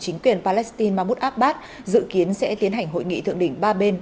chính quyền palestine mahmoud abbas dự kiến sẽ tiến hành hội nghị thượng đỉnh ba bên